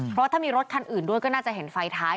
เพราะถ้ามีรถคันอื่นด้วยก็น่าจะเห็นไฟท้าย